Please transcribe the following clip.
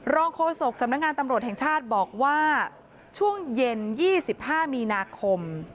โฆษกสำนักงานตำรวจแห่งชาติบอกว่าช่วงเย็น๒๕มีนาคม